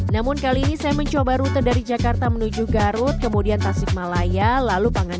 namun kali ini saya mencoba rute dari jakarta menuju garut kemudian tasik malaya lalu pangan